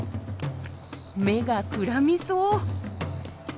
目がくらみそう！